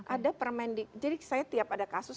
ada permendik jadi saya tiap ada kasus